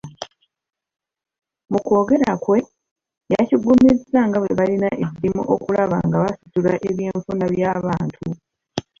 Mukwogera kwe, yakiggumizza nga bwe balina eddimu okulaba nga basitula ebyenfuna by’abantu.